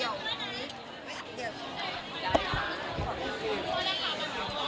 เมื่อเวลาอันดับสุดท้ายมันกลายเป็นอันดับสุดท้ายที่สุดท้าย